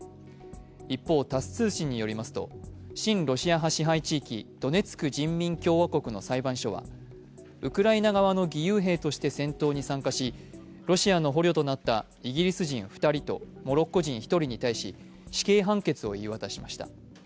一方、タス通信によりますと親ロシア派支配地域、ドネツク人民共和国の裁判所はウクライナ側の義勇兵として戦闘に参加し、ロシアの捕虜となったイギリス人２人とモロッコ人ひとりに対し死刑判決を言い渡しました。